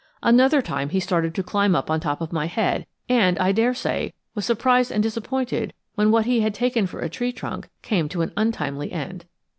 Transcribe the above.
Another time he started to climb up on top of my head and, I dare say, was surprised and disappointed when what he had taken for a tree trunk came to an untimely end.